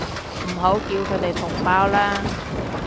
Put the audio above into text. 唔好叫佢哋同胞啦